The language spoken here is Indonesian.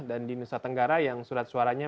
dan di nusa tenggara yang surat suaranya